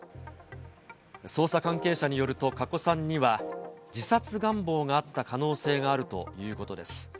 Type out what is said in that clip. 捜査関係者によると、加古さんには自殺願望があった可能性があるということです。